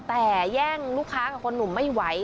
แต่แย่งลูกค้ากับคนหนุ่มไม่ไหว